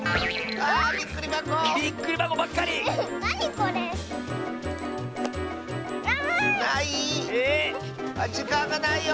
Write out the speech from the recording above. あっじかんがないよ！